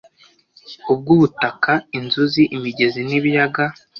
ubw ubutaka inzuzi imigezi n ibiyaga